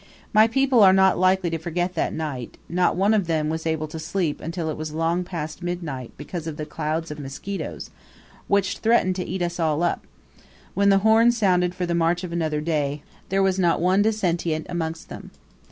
My people are not likely to forget that night; not one of them was able to sleep until it was long past midnight, because of the clouds of mosquitoes, which threatened to eat us all up; and when the horn sounded for the march of another day, there was not one dissentient amongst them.